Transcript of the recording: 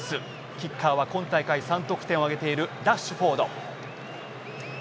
キッカーは今大会３得点挙げているラッシュフォード。